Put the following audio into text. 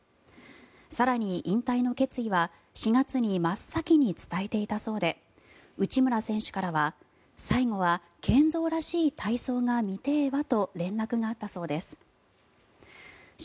更に、引退の決意は４月に真っ先に伝えていたそうで内村選手からは、最後は健三らしい体操が見てえわと連絡があったそうです。